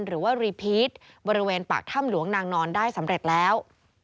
หรือว่ารีพีชบริเวณปากถ้ำหลวงนางนอนได้สำเร็จแล้ว